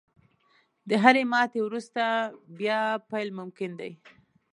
• د هرې ماتې وروسته، بیا پیل ممکن دی.